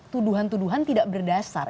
tuduhan tuduhan tidak berdasar